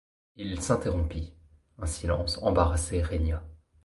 Il s’interrompit, un silence embarrassé régna.